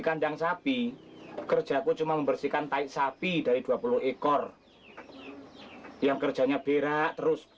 kandang sapi kerjaku cuma membersihkan taik sapi dari dua puluh ekor yang kerjanya berak terus